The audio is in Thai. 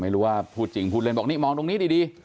ไม่รู้พูดจริงพูดเล่นบอกนี่มองตรงนี้ดี